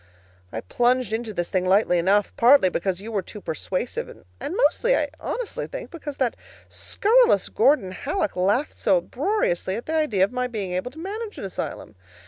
I plunged into this thing lightly enough, partly because you were too persuasive, and mostly, I honestly think, because that scurrilous Gordon Hallock laughed so uproariously at the idea of my being able to manage an asylum.